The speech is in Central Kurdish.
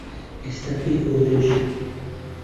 ئێستا پێکەوە دەژین.